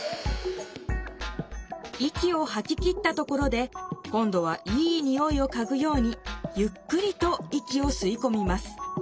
息をはききったところで今どはいいにおいをかぐようにゆっくりと息をすいこみます。